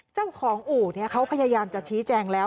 เจ้าของอู่เขาพยายามจะชี้แจงแล้ว